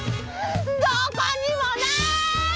どこにもない！